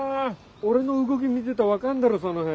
俺の動き見てたら分かんだろその辺。